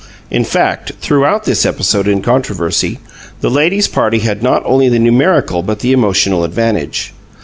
In fact, throughout this episode in controversy the ladies' party had not only the numerical but the emotional advantage.